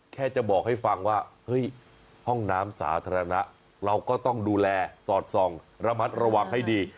แค่จะบอกให้ฟังว่าเฮ้ยห้องน้ำสาธารณะเราก็ต้องดูแลสอดส่องระมัดระวังให้ดี